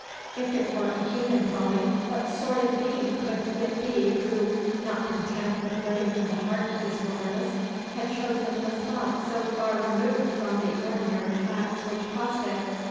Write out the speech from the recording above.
If it were a human dwelling, what sort of being could it be who, not content with living in the heart of this wilderness, had chosen a spot so far removed from the ordinary tracks which crossed it?